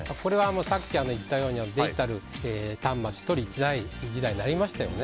さっき言ったようにデジタル端末が１人１台時代になりましたよね。